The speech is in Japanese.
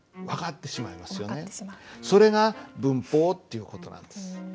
ってそれが文法っていう事なんです。